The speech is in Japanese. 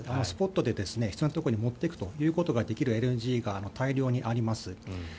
スポットで必要なところに持っていくことができるＬＮＧが大量にあります。